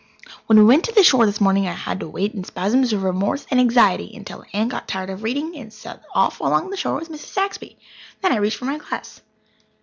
When we went to the shore this morning I had to wait in spasms of remorse and anxiety until Aunt got tired of reading and set off along the shore with Mrs. Saxby. Then I reached for my glass.